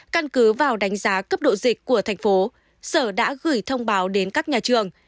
căn cứ vào đánh giá cấp độ dịch của thành phố sở đã gửi thông báo đến các nhà trường